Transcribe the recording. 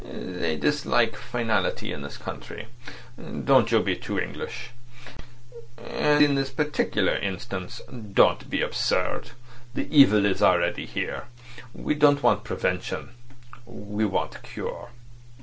They dislike finality in this country. Don't you be too English. And in this particular instance, don't be absurd. The evil is already here. We don't want prevention—we want cure."